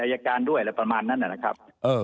อายการด้วยอะไรประมาณนั้นนะครับ